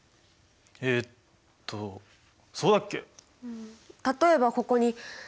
えっとそうだっけ？